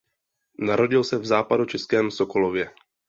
Narodil se v západočeském Sokolově.